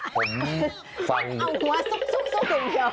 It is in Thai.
ผมฟังอยู่เอาหัวทรุกทุกอยู่เผา